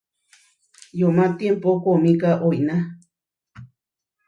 Yoʼomá tiembó koomíka oiná.